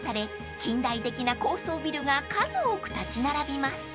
近代的な高層ビルが数多く建ち並びます］